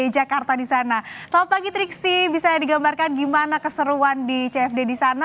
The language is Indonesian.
jakarta di sana selamat pagi triksi bisa digambarkan gimana keseruan di cfd di sana